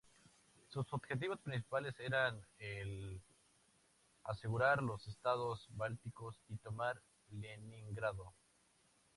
Sus objetivos principales eran el asegurar los estados bálticos y tomar Leningrado.